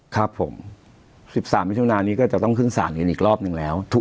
ครับผม๑๓นาทีช่วงหนานี้ก็จะต้องเครื่องศาลกันอีกรอบนึงแล้ว